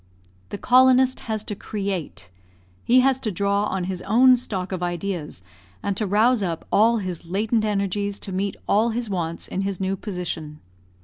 The colonist has to create he has to draw on his own stock of ideas, and to rouse up all his latent energies to meet all his wants in his new position.